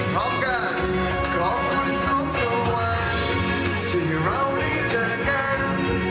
ขอบคุณสูงสวรรค์ที่เราได้เจอกัน